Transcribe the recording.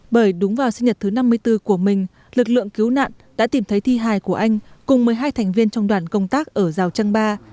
bởi đúng vào sinh nhật thứ năm mươi bốn của mình lực lượng cứu nạn đã tìm thấy thi hài của anh cùng một mươi hai thành viên trong đoàn công tác ở rào trăng ba